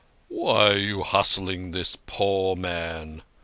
"Why are you hustling this poor man?"